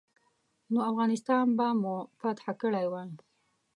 نو افغانستان به مو فتح کړی وای.